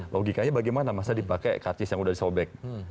logikanya bagaimana masa dipakai karcis yang udah disobek